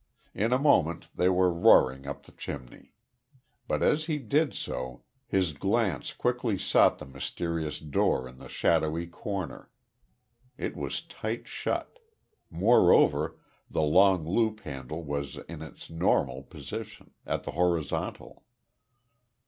In a moment they were roaring up the chimney. But as he did so his glance quickly sought the mysterious door in the shadowy corner. It was tight shut moreover the long loop handle was in its normal position at the horizontal.